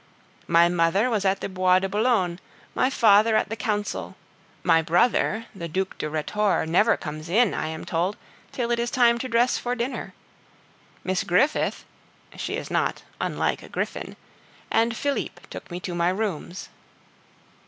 My mother was at the Bois de Boulogne, my father at the Council; my brother, the Duc de Rhetore, never comes in, I am told, till it is time to dress for dinner. Miss Griffith (she is not unlike a griffin) and Philippe took me to my rooms.